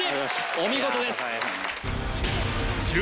お見事です１０